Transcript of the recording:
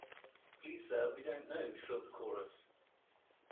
"Please, sir, we don't know," shrilled the chorus.